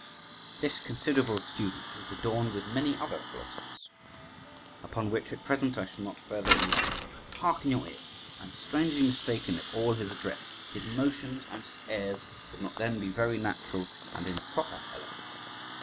This considerable student is adorned with many other qualities, upon which at present I shall not further enlarge. ... Hark in your ear. ... I am strangely mistaken if all his address, his motions, and his airs would not then be very natural and in their proper element.